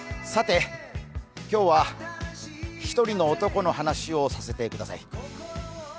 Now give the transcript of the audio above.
今日は１人の男の話をさせてください。